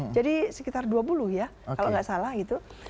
jadi sekitar dua puluh ya kalau nggak salah gitu